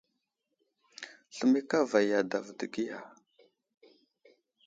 Sləmay kava i adavo dəgiya.